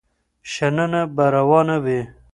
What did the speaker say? شننه به روانه وي.